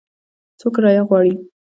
څو کرایه غواړي ؟